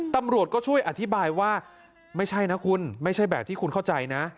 ตำรวจก็ช่วยอธิบายว่าไม่ใช่นะคุณไม่ใช่แบบที่คุณเข้าใจนะ